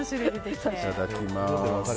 いただきます。